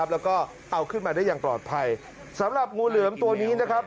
แล้วก็เอาขึ้นมาได้อย่างปลอดภัยสำหรับงูเหลือมตัวนี้นะครับ